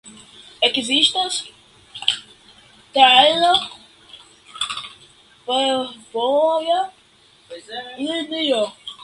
Ekzistas traira fervoja linio.